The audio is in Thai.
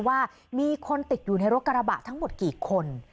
ว่ามีคนติดอยู่ในรถกระบะทั้งหมดกี่คน